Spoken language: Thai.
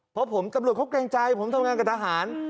เพราะผมตำรวจเขาเกรงใจผมทำงานกับทหาร